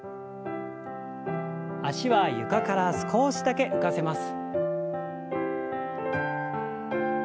脚は床から少しだけ浮かせます。